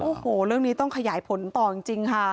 โอ้โหเรื่องนี้ต้องขยายผลต่อจริงค่ะ